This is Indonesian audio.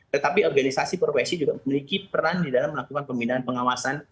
tetapi organisasi profesi juga memiliki peran di dalam melakukan pembinaan pengawasan